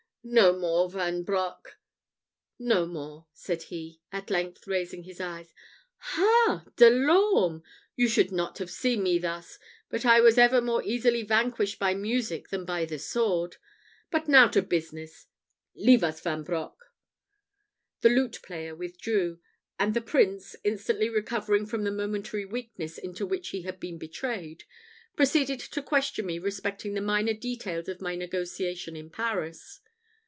"No more, Vanbroc no more!" said he, at length raising his eyes. "Ha! De l'Orme. You should not have seen me thus: but I was ever more easily vanquished by music than by the sword. But now to business: leave us, Vanbroc." The lute player withdrew, and the Prince, instantly recovering from the momentary weakness into which he had been betrayed, proceeded to question me respecting the minor details of my negotiation in Paris.